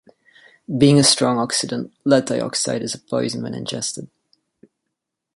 Being a strong oxidant, lead dioxide is a poison when ingested.